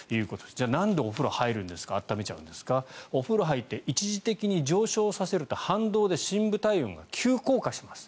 じゃあ、なんでお風呂入るんですか温めちゃうんですかお風呂に入って一時的に上昇させると反動で深部体温が急降下します。